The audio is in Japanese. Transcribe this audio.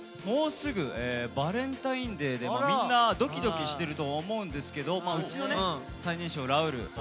もうすぐバレンタインデーでみんなドキドキしてると思うんですけどうちのね最年少ラウール。